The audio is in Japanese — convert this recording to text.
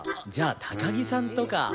じゃあ高木さんとか。